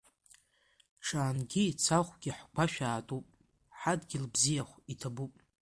Ҽаангьы цахәгьы ҳгәашә аатуп, ҳадгьыл бзиахә, иҭабуп!